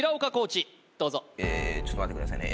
知どうぞちょっと待ってくださいね